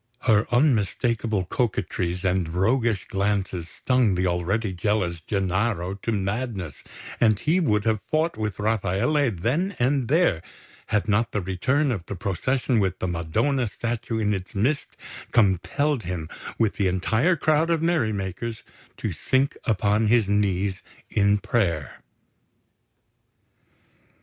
Her unmistakable coquetries and roguish glances stung the already jealous Gennaro to madness; and he would have fought with Rafaele then and there had not the return of the procession with the Madonna statue in its midst compelled him, with the entire crowd of merry makers, to sink upon his knees in prayer.